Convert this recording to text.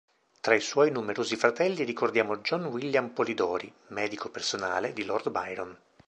Tra i suoi numerosi fratelli ricordiamo John William Polidori, medico personale di Lord Byron.